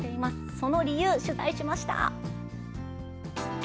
その理由、取材しました。